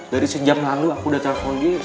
dari sejam lalu aku udah telfon gini